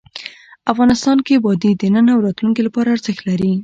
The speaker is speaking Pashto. افغانستان کې وادي د نن او راتلونکي لپاره ارزښت لري.